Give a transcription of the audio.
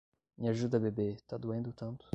Me ajuda bebê, tá doendo tanto